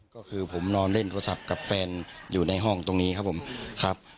ก็คือผมนอนเล่นโทรศัพท์กับแฟนอยู่ในห้องตรงนี้ครับผมครับ